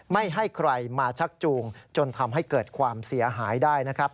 ไม่ให้ใครมาชักจูงจนทำให้เกิดความเสียหายได้นะครับ